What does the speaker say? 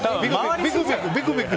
ビクビク。